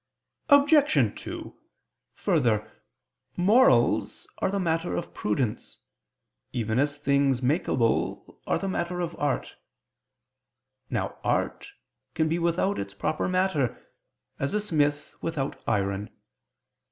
Obj. 2: Further, morals are the matter of prudence, even as things makeable are the matter of art. Now art can be without its proper matter, as a smith without iron.